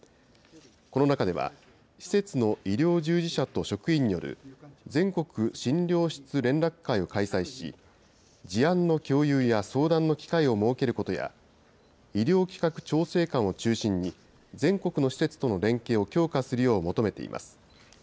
この中では、施設の医療従事者と職員による、全国診療室連絡会を開催し、事案の共有や相談の機会を設けることや、医療企画調整官を中心に、全国の施設との連携を強化するよう求めています。